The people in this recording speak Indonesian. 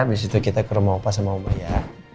abis itu kita ke rumah opa sama oma ya